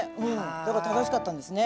だから正しかったんですね。